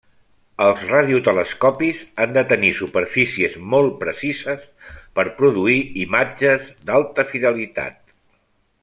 Els radiotelescopis han de tenir superfícies molt precises per produir imatges d'alta fidelitat.